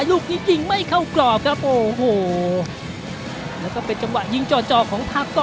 ลูกนี้ยิงไม่เข้ากรอบครับโอ้โหแล้วก็เป็นจังหวะยิงจ่อจ่อของทาโก้